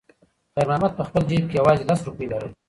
خیر محمد په خپل جېب کې یوازې لس روپۍ لرلې.